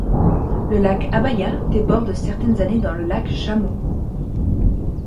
Le lac Abaya déborde certaines années dans le lac Chamo.